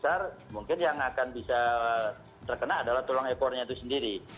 kalau umpamanya itu besar mungkin yang akan bisa terkena adalah tulang ekornya itu sendiri